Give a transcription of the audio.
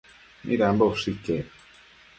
Midambo ushë iquec